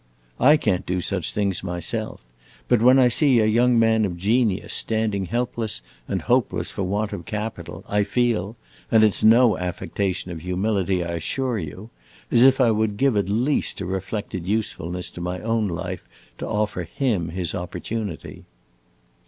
I can't do such things myself, but when I see a young man of genius standing helpless and hopeless for want of capital, I feel and it 's no affectation of humility, I assure you as if it would give at least a reflected usefulness to my own life to offer him his opportunity."